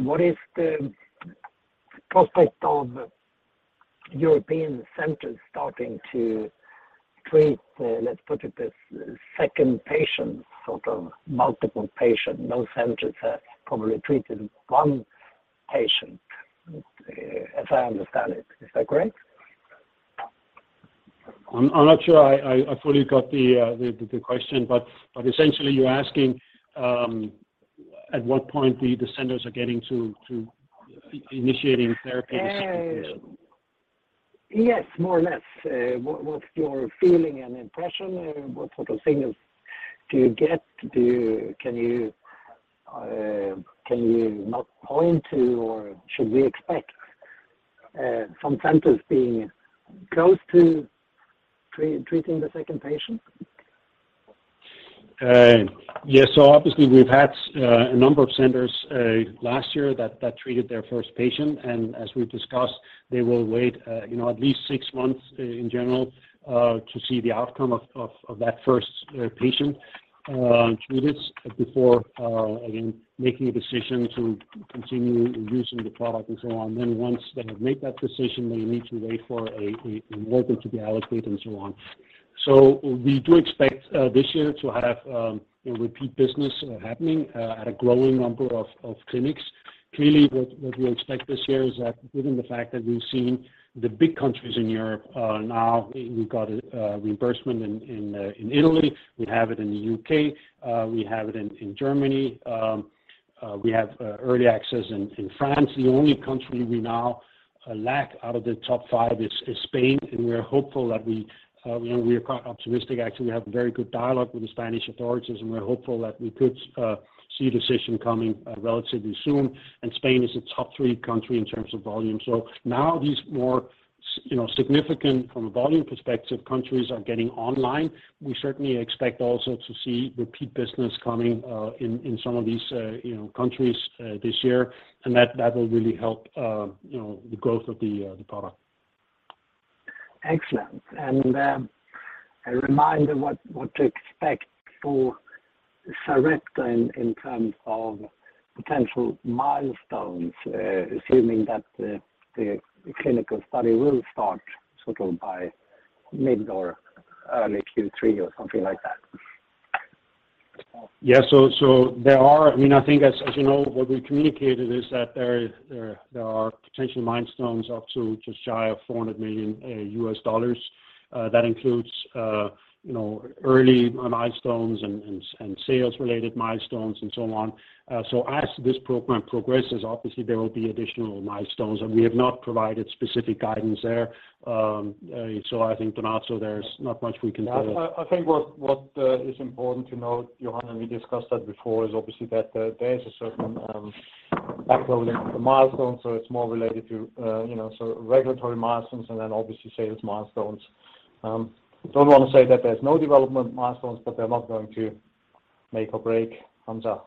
Speaker 8: what is the prospect of European centers starting to treat second patient, sort of multiple patient? Most centers have probably treated one patient, as I understand it. Is that correct?
Speaker 2: I'm not sure I fully got the question, but essentially you're asking at what point the centers are getting to initiating therapies?
Speaker 8: Yes, more or less. What, what's your feeling and impression? What sort of signals do you get? Can you not point to or should we expect some centers being close to treating the second patient?
Speaker 2: Yes. Obviously we've had a number of centers last year that treated their first patient. As we've discussed, they will wait, you know, at least 6 months in general, to see the outcome of that first patient treated before, again, making a decision to continue using the product and so on. Once they have made that decision, they need to wait for a market to be allocated and so on. We do expect this year to have, you know, repeat business happening at a growing number of clinics. Clearly what we expect this year is that given the fact that we've seen the big countries in Europe, now we've got a reimbursement in Italy, we have it in the UK, we have it in Germany, we have early access in France. The only country we now lack out of the top five is Spain. We are hopeful that we, you know, we are quite optimistic actually. We have very good dialogue with the Spanish authorities, and we're hopeful that we could see a decision coming relatively soon. Spain is a top three country in terms of volume. Now these more you know, significant from a volume perspective, countries are getting online. We certainly expect also to see repeat business coming, in some of these, you know, countries, this year. That will really help, you know, the growth of the product.
Speaker 8: Excellent. A reminder what to expect for Sarepta in terms of potential milestones, assuming that the clinical study will start sort of by Q4, maybe or in Q3 or something like that.
Speaker 2: Yeah. There are, I mean, I think as you know, what we communicated is that there are potential milestones up to just shy of $400 million US dollars. That includes, you know, early milestones and sales-related milestones and so on. As this program progresses, obviously there will be additional milestones, and we have not provided specific guidance there. I think, Donato, there's not much we can say.
Speaker 3: Yeah. I think what is important to note, Johan, and we discussed that before, is obviously that there is a certain backloading of the milestones, so it's more related to, you know, so regulatory milestones and then obviously sales milestones. Don't wanna say that there's no development milestones, but they're not going to make or break Hansa.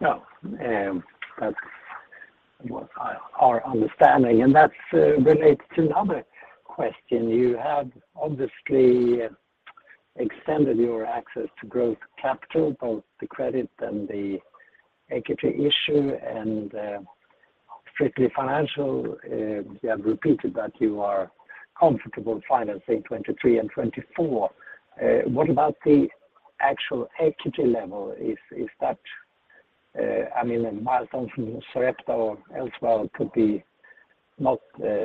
Speaker 8: No. That's our understanding and that's related to another question. You have obviously extended your access to growth capital, both the credit and the equity issue, and strictly financial, you have repeated that you are comfortable financing 2023 and 2024. What about the actual equity level? Is that, I mean, a milestone from Sarepta or elsewhere could be not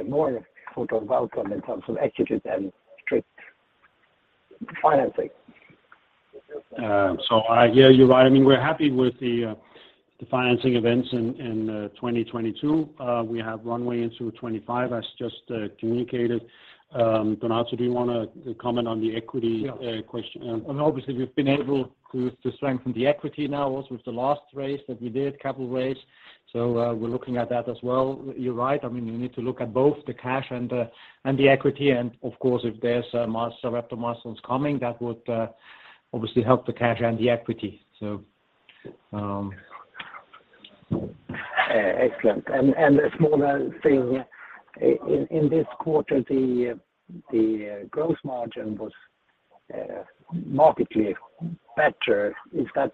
Speaker 8: more sort of welcome in terms of equity than strict financing.
Speaker 2: I hear you right. I mean, we're happy with the financing events in 2022. We have runway into 2025 as just communicated. Donato, do you wanna comment on the equity-?
Speaker 3: Yeah.
Speaker 2: question?
Speaker 3: Obviously we've been able to strengthen the equity now also with the last raise that we did, capital raise. We're looking at that as well. You're right. I mean, you need to look at both the cash and the equity and of course if there's Sarepta milestones coming that would obviously help the cash and the equity.
Speaker 8: Excellent. A smaller thing. In this quarter, the gross margin was markedly better. Is that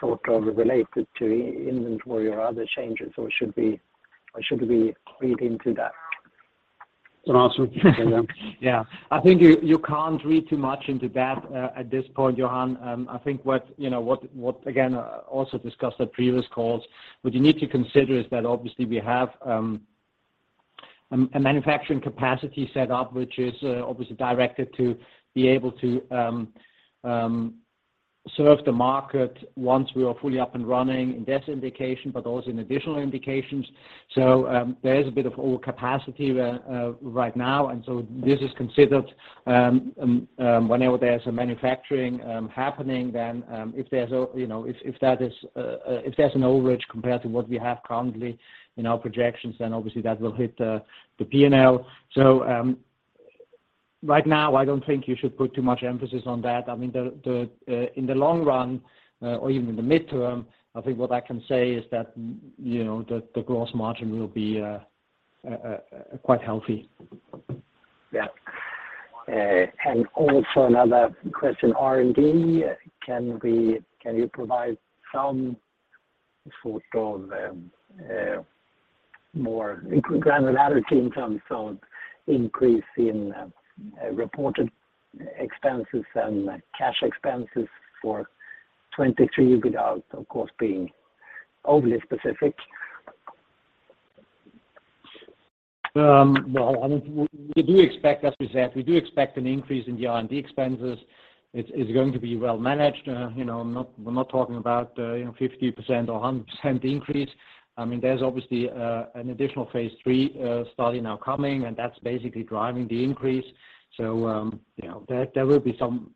Speaker 8: sort of related to inventory or other changes, or should we read into that?
Speaker 2: Donato.
Speaker 3: Yeah. I think you can't read too much into that at this point, Johan. I think what, you know, what again, also discussed at previous calls, what you need to consider is that obviously we have a manufacturing capacity set up, which is obviously directed to be able to serve the market once we are fully up and running in this indication, but also in additional indications. There is a bit of overcapacity right now. This is considered whenever there's a manufacturing happening then, You know, if that is, if there's an overage compared to what we have currently in our projections, then obviously that will hit the P&L. Right now, I don't think you should put too much emphasis on that. I mean, the in the long run, or even in the midterm, I think what I can say is that, you know, the gross margin will be quite healthy.
Speaker 8: Yeah. Also another question. R&D, can you provide some sort of more granularity in terms of increase in reported expenses and cash expenses for 23 without, of course, being overly specific?
Speaker 3: Well, I mean, we do expect, as we said, we do expect an increase in the R&D expenses. It's going to be well managed. You know, I'm not, we're not talking about, you know, 50% or a 100% increase. I mean, there's obviously, an additional phase 3 study now coming, and that's basically driving the increase. You know, there will be some,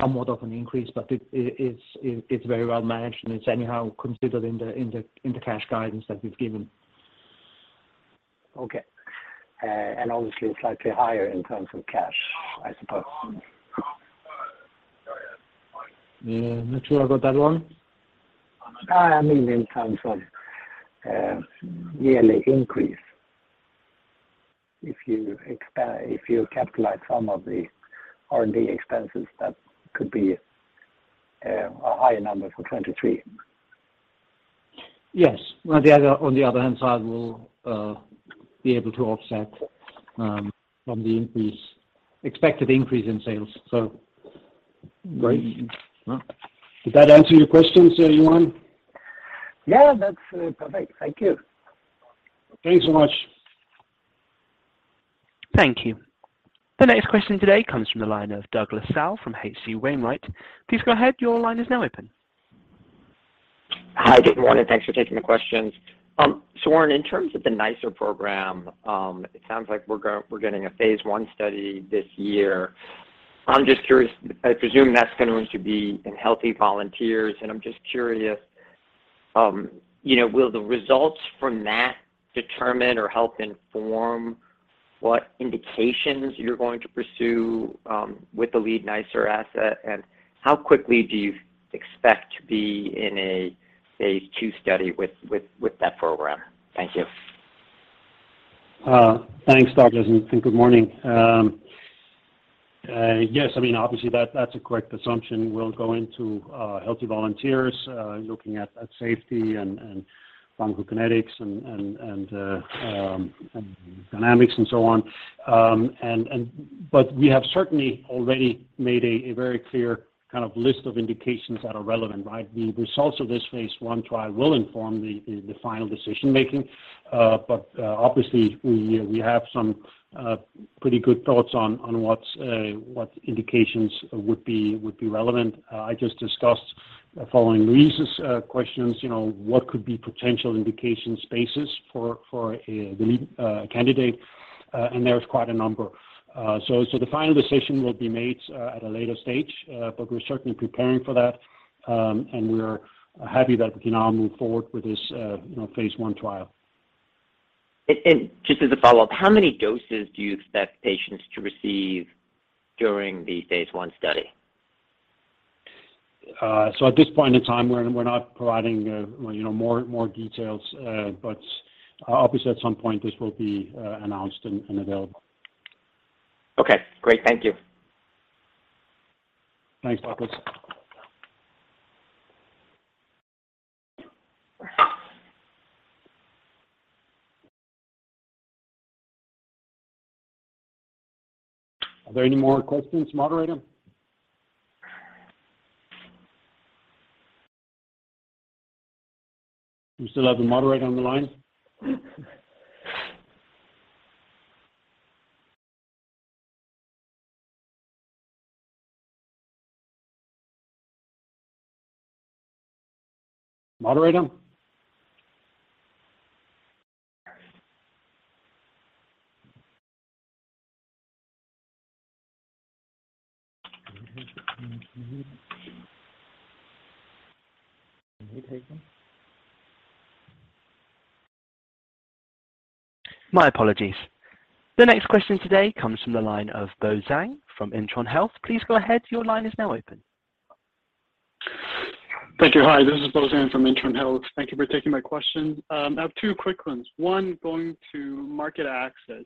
Speaker 3: somewhat of an increase, but it's very well managed and it's anyhow considered in the cash guidance that we've given.
Speaker 8: Okay. Obviously slightly higher in terms of cash, I suppose.
Speaker 3: Mm-hmm. Not sure I got that one.
Speaker 8: I mean in terms of yearly increase. If you if you capitalize some of the R&D expenses, that could be a higher number for 2023.
Speaker 3: Yes. On the other hand side, we'll be able to offset from the increase, expected increase in sales.
Speaker 2: Great.
Speaker 3: Well.
Speaker 2: Did that answer your questions, Johan?
Speaker 8: Yeah, that's perfect. Thank you.
Speaker 2: Thanks so much.
Speaker 1: Thank you. The next question today comes from the line of Douglas Tsao from H.C. Wainwright. Please go ahead. Your line is now open.
Speaker 9: Hi, good morning. Thanks for taking the questions. Søren, in terms of the NiceR program, it sounds like we're getting a phase I study this year. I'm just curious. I presume that's going to be in healthy volunteers, and I'm just curious, you know, will the results from that determine or help inform what indications you're going to pursue with the lead NiceR asset, and how quickly do you expect to be in a phase II study with that program? Thank you.
Speaker 2: Thanks, Douglas, and good morning. Yes. I mean, obviously, that's a correct assumption. We'll go into healthy volunteers looking at safety and pharmacokinetics and dynamics and so on. We have certainly already made a very clear kind of list of indications that are relevant, right? The results of this phase I trial will inform the final decision-making. Obviously we have some pretty good thoughts on what's what indications would be relevant. I just discussed, following Louise's questions, you know, what could be potential indication spaces for a candidate, there's quite a number. The final decision will be made at a later stage, but we're certainly preparing for that, and we're happy that we can now move forward with this, you know, phase I trial.
Speaker 9: Just as a follow-up, how many doses do you expect patients to receive during the phase I study?
Speaker 2: At this point in time, we're not providing, you know, more details, but obviously at some point this will be announced and available.
Speaker 9: Okay, great. Thank you.
Speaker 2: Thanks, Marcus. Are there any more questions, moderator? Do we still have the moderator on the line? Moderator?
Speaker 1: My apologies. The next question today comes from the line of Bo Zhang from Intron Health. Please go ahead. Your line is now open.
Speaker 10: Thank you. Hi, this is Bo Zhang from Intron Health. Thank you for taking my question. I have two quick ones. One, going to market access.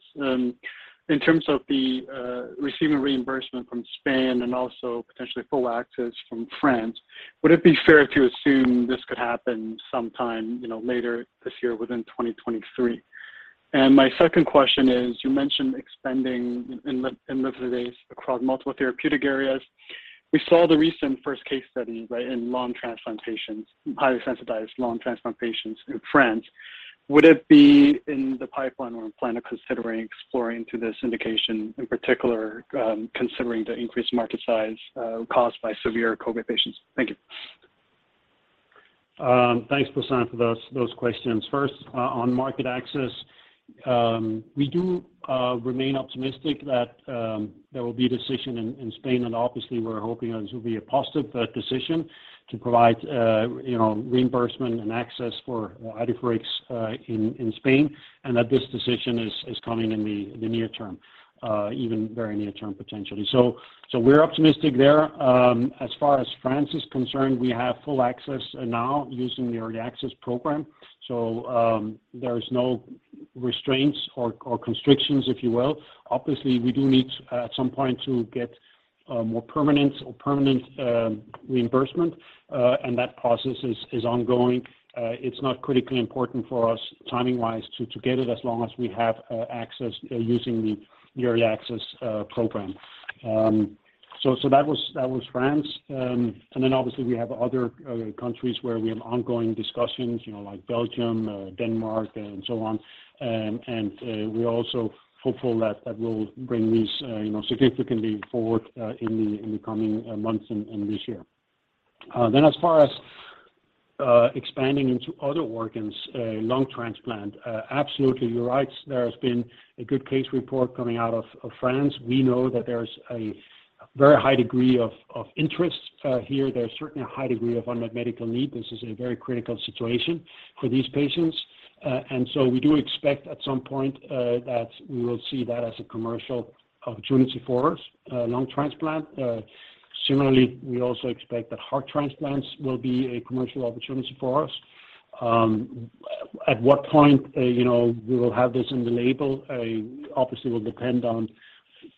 Speaker 10: In terms of the receiving reimbursement from Spain and also potentially full access from France, would it be fair to assume this could happen sometime, you know, later this year within 2023? My second question is you mentioned expanding imlifidase across multiple therapeutic areas. We saw the recent first case study, right, in lung transplant patients, highly sensitized lung transplant patients in France. Would it be in the pipeline or plan considering exploring to this indication in particular, considering the increased market size caused by severe COVID patients? Thank you.
Speaker 2: Thanks, Bo Zhang for those questions. First, on market access, we do remain optimistic that there will be a decision in Spain, and obviously we're hoping this will be a positive decision to provide, you know, reimbursement and access for Idefirix in Spain, and that this decision is coming in the near term, even very near term potentially. We're optimistic there. As far as France is concerned, we have full access now using the early access program. There's no restraints or constrictions if you will. Obviously, we do need at some point to get more permanent or permanent reimbursement, and that process is ongoing. It's not critically important for us timing-wise to get it as long as we have access using the early access program. That was France. Then obviously we have other countries where we have ongoing discussions, you know, like Belgium, Denmark and so on. We're also hopeful that that will bring these, you know, significantly forward in the coming months and this year. As far as expanding into other organs, lung transplant, absolutely you're right. There has been a good case report coming out of France. We know that there's a very high degree of interest here. There's certainly a high degree of unmet medical need. This is a very critical situation for these patients. We do expect at some point that we will see that as a commercial opportunity for us, lung transplant. Similarly, we also expect that heart transplants will be a commercial opportunity for us. At what point, you know, we will have this in the label, obviously will depend on,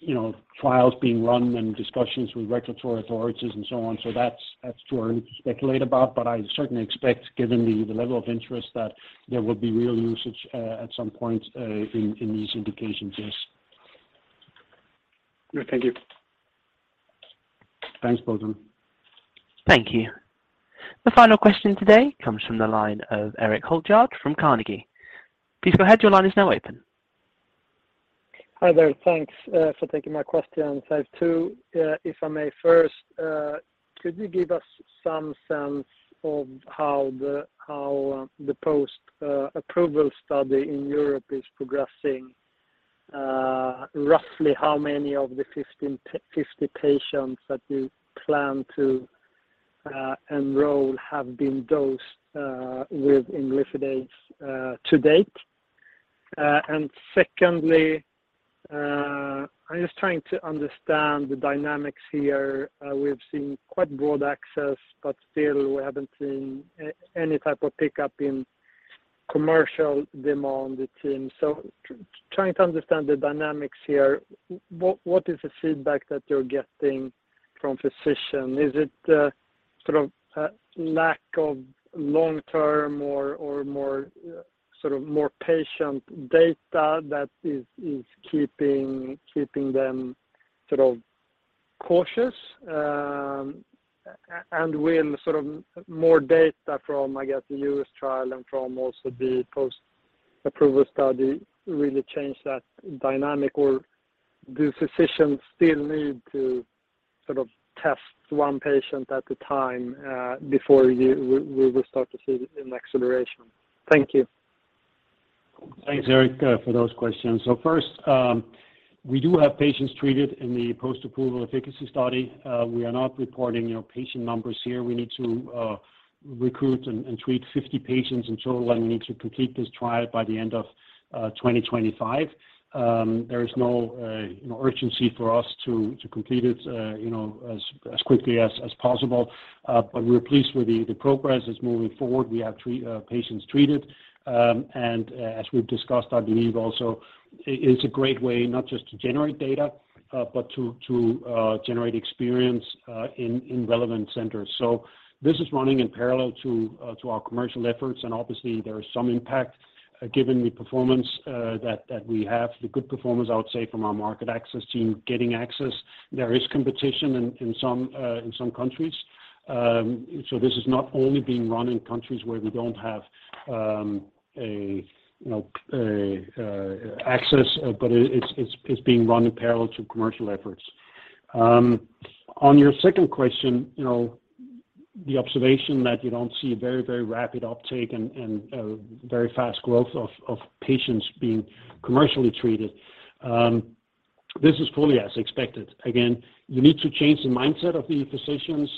Speaker 2: you know, trials being run and discussions with regulatory authorities and so on. That's, that's too early to speculate about, but I certainly expect given the level of interest that there will be real usage at some point in these indications, yes.
Speaker 10: Great. Thank you.
Speaker 2: Thanks, Bo Zhang.
Speaker 1: Thank you. The final question today comes from the line of Erik Hultgård from Carnegie. Please go ahead. Your line is now open.
Speaker 11: Hi there. Thanks for taking my questions. I have two. If I may first, could you give us some sense of how the post-approval study in Europe is progressing? Roughly how many of the 50 patients that you plan to enroll have been dosed with imlifidase to date? Secondly, I'm just trying to understand the dynamics here. We've seen quite broad access, but still we haven't seen any type of pickup in commercial demand. Trying to understand the dynamics here, what is the feedback that you're getting from physicians? Is it the sort of lack of long-term or more sort of more patient data that is keeping them sort of cautious? Will sort of more data from, I guess, the U.S. trial and from also the post-approval study really change that dynamic? Do physicians still need to sort of test one patient at a time before we will start to see an acceleration? Thank you.
Speaker 2: Thanks, Erik, for those questions. First, we do have patients treated in the post-approval efficacy study. We are not reporting, you know, patient numbers here. We need to recruit and treat 50 patients in total, and we need to complete this trial by the end of 2025. There is no, you know, urgency for us to complete it, you know, as quickly as possible. We're pleased with the progress. It's moving forward. We have patients treated. As we've discussed, I believe also it's a great way not just to generate data, but to generate experience in relevant centers. This is running in parallel to our commercial efforts. Obviously there is some impact given the performance that we have, the good performance, I would say, from our market access team getting access. There is competition in some in some countries. This is not only being run in countries where we don't have a, you know, access, but it's being run in parallel to commercial efforts. On your second question, you know, the observation that you don't see a very rapid uptake and very fast growth of patients being commercially treated, this is fully as expected. Again, you need to change the mindset of the physicians,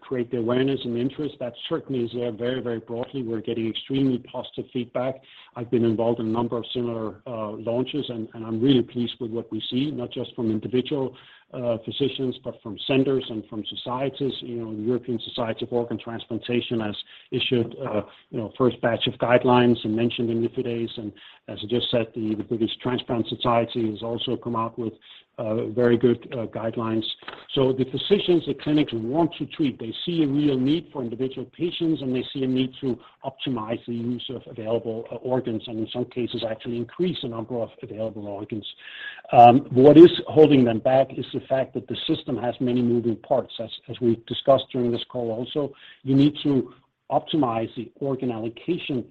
Speaker 2: create the awareness and interest. That certainly is there very, very broadly. We're getting extremely positive feedback. I've been involved in a number of similar launches, and I'm really pleased with what we see, not just from individual physicians, but from centers and from societies. You know, the European Society for Organ Transplantation has issued, you know, first batch of guidelines and mentioned Imlifidase. As I just said, the British Transplantation Society has also come out with very good guidelines. The physicians, the clinics want to treat. They see a real need for individual patients, and they see a need to optimize the use of available organs, and in some cases, actually increase the number of available organs. What is holding them back is the fact that the system has many moving parts. As we discussed during this call also, you need to optimize the organ allocation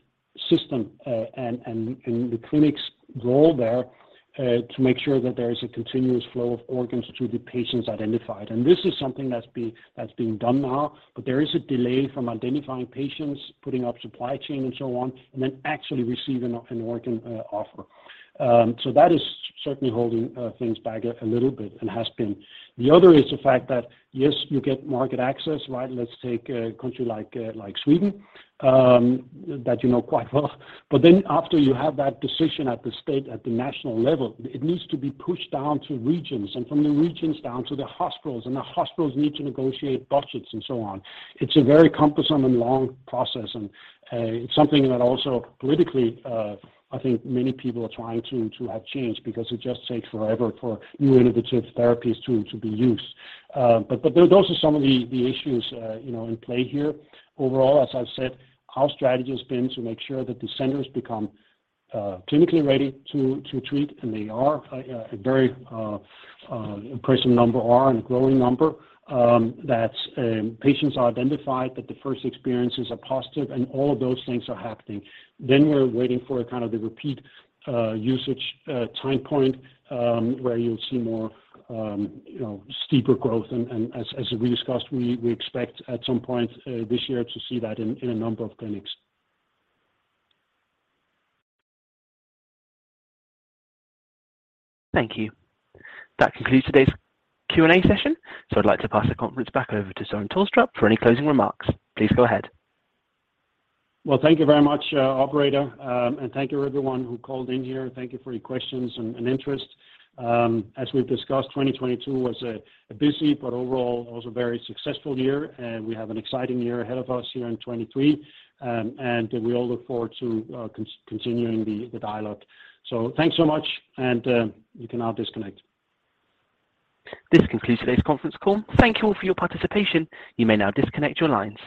Speaker 2: system, and the clinic's role there, to make sure that there is a continuous flow of organs to the patients identified. This is something that's being done now. There is a delay from identifying patients, putting up supply chain and so on, and then actually receiving an organ offer. That is certainly holding things back a little bit and has been. The other is the fact that, yes, you get market access, right? Let's take a country like Sweden, that you know quite well. After you have that decision at the state, at the national level, it needs to be pushed down to regions and from the regions down to the hospitals, and the hospitals need to negotiate budgets and so on. It's a very cumbersome and long process, and it's something that also politically, I think many people are trying to have changed because it just takes forever for new innovative therapies to be used. Those are some of the issues, you know, in play here. Overall, as I've said, our strategy has been to make sure that the centers become clinically ready to treat, and they are a very impressive number are and a growing number, that patients are identified, that the first experiences are positive, and all of those things are happening. We're waiting for kind of the repeat, usage, time point, where you'll see more, you know, steeper growth. As we discussed, we expect at some point, this year to see that in a number of clinics.
Speaker 1: Thank you. That concludes today's Q&A session. I'd like to pass the conference back over to Søren Tulstrup for any closing remarks. Please go ahead.
Speaker 2: Well, thank you very much, operator. Thank you everyone who called in here. Thank you for your questions and interest. As we've discussed, 2022 was a busy but overall also very successful year. We have an exciting year ahead of us here in 2023. We all look forward to continuing the dialogue. Thanks so much, and you can now disconnect.
Speaker 1: This concludes today's conference call. Thank you all for your participation. You may now disconnect your lines.